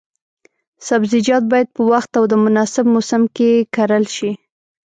سبزیجات باید په وخت او د مناسب موسم کې کرل شي.